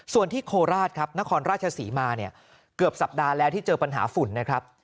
ส่วนที่โคราศนะครราชศรีเกือบสัปดาห์แล้วที่เจอปัญหาฝุ่นนะครับ